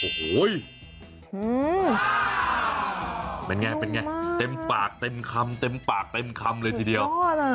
โอ้หูยเป็นไงเต็มปากเต็มคำเลยทีเดียว